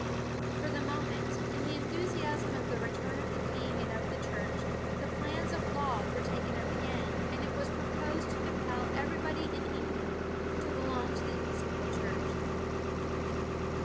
For the moment, in the enthusiasm of the return of the king and of the Church, the plans of Laud were taken up again, and it was proposed to compel everybody in England to belong to the Episcopal Church.